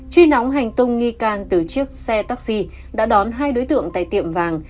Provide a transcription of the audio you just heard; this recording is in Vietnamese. truy nóng hành tung nghi can từ chiếc xe taxi đã đón hai đối tượng tại tiệm vàng